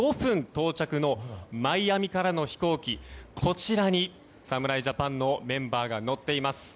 到着のマイアミからの飛行機に侍ジャパンのメンバーが乗っています。